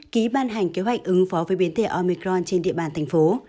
ký ban hành kế hoạch ứng phó với biến thể omicron trên địa bàn thành phố